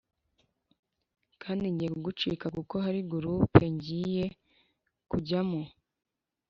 kandi ngiye kugucika kuko hari gurupengiye kujyamo."